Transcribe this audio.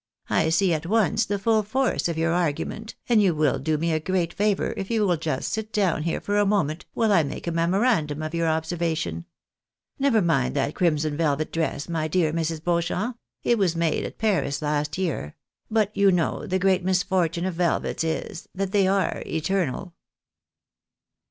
I see at once the full force of your argument, and you will do me a great favour if you will just sit down here for a moment while I make a memorandum of yoiu? observation. Never mind that crimson A i^UJiBl'iON CLEARLY STATED. 97 velvet dress, my dear Mrs. Beauchamp — it was made at Paris last year ; but you know tlie great misfortune of velvets is, that they are eternal